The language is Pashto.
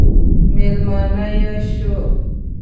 مېلمانه یې شو.